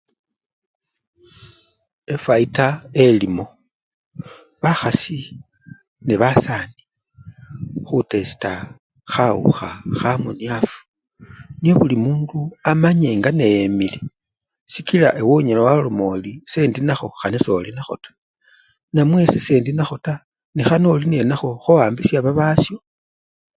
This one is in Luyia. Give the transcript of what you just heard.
Efayida elimo, bakhasi nebasani khusesita khawukha khamuniafu, niebulimundu kamanye nga nekemile kakila ewe onyala waloma ori sendinakho khana soli nakho taa, namwe ese-sendi nakho taa nekhana olinakho khowambisya babasyo.